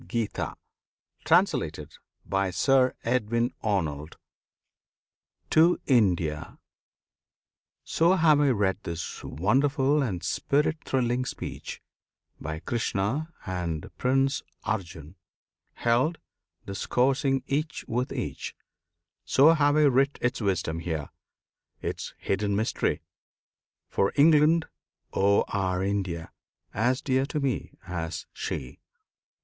67 Fifth Avenue 1900 Dedication TO INDIA So have I read this wonderful and spirit thrilling speech, By Krishna and Prince Arjun held, discoursing each with each; So have I writ its wisdom here, its hidden mystery, For England; O our India! as dear to me as She!